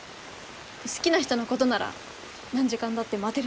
好きな人のことなら何時間だって待てるでしょ？